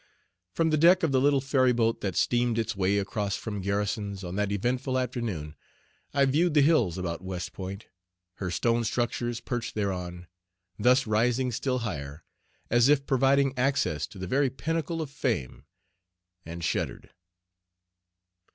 From the deck of the little ferry boat that steamed its way across from Garrison's on that eventful afternoon I viewed the hills about West Point, her stone structures perched thereon, thus rising still higher, as if providing access to the very pinnacle of fame, and shuddered.